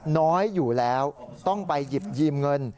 น้อยอยู่แล้วต้องไปหยิบยืมเงิน